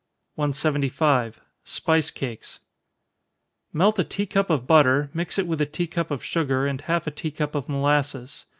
175. Spice Cakes. Melt a tea cup of butter, mix it with a tea cup of sugar, and half a tea cup of molasses.